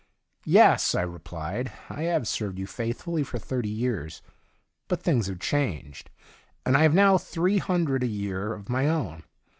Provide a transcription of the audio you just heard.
' Yes,' I replied. ' I have served you faithfully for thirty years, but things have changed, and I have now three hundred a year of my own.